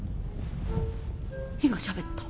火がしゃべった。